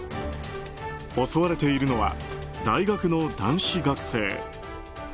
襲われているのは大学の男子学生。